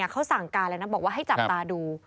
เขาสั่งการเลยนะบอกว่าให้จับตาดู